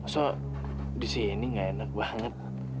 so disini gak enak banget